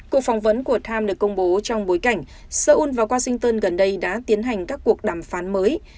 cuộc phỏng vấn của time được công bố trong bối cảnh seoul và washington gần đây đã tiến hành các cuộc đàm phán mới